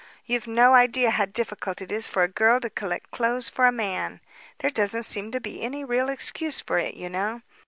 You've no idea how difficult it is for a girl to collect clothes for a man. There doesn't seem to be any real excuse for it, you know.